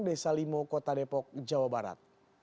desa limo kota depok jawa barat